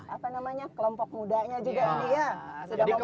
apa namanya kelompok mudanya juga ini ya